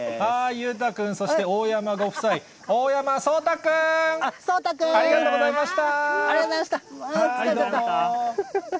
裕太君、そして大山ご夫妻、大山そうたくん、ありがとうございました。